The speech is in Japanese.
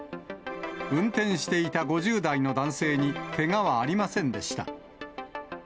運転していた５０代の男性にけがはありませんでした。